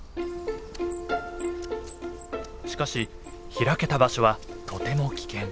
しかし開けた場所はとても危険。